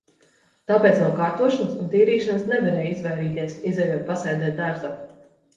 Tāpēc no kārtošanas un tīrīšanas nevarēja izvairīties, izejot pasēdēt dārzā.